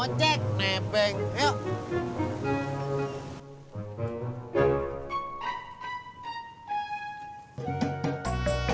ngecek nebeng yuk